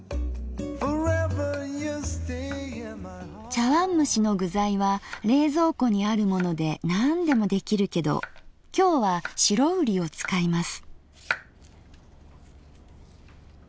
茶わんむしの具材は冷蔵庫にあるものでなんでも出来るけど今日は白瓜を使います。